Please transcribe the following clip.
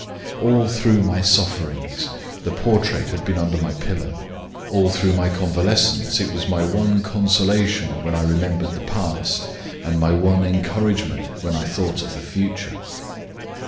"All through my sufferings the portrait had been under my pillow. All through my convalescence it was my one consolation when I remembered the past, and my one encouragement when I thought of the future.